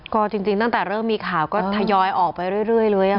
ก็จริงตั้งแต่เริ่มมีข่าวก็ทยอยออกไปเรื่อยเลย